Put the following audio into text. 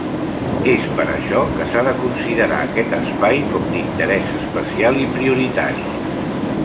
És per això que s'ha de considerar aquest espai com d'interès especial i prioritari.